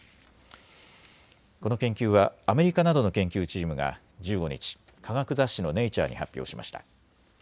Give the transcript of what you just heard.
この研究はアメリカなどの研究チームが１５日、科学雑誌のネイチャーに発表しました。